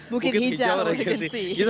bukit hijau regensi